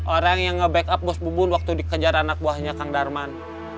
orang yang nge backup bos bubun waktu dikejar anak buahnya kang darman